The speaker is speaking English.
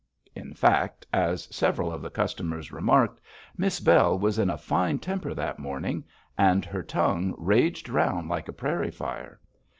In fact, as several of the customers remarked, Miss Bell was in a fine temper that morning, and her tongue raged round like a prairie fire.